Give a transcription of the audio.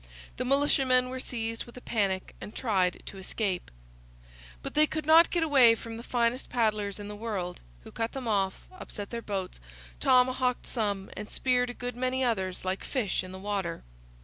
The militiamen were seized with a panic and tried to escape. But they could not get away from the finest paddlers in the world, who cut them off, upset their boats, tomahawked some, and speared a good many others like fish in the water.